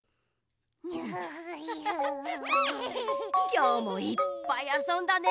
きょうもいっぱいあそんだね。